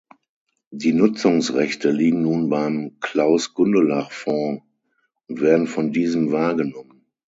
Die Nutzungsrechte liegen nun beim Klaus-Gundelach-Fonds und werden von diesem wahrgenommen.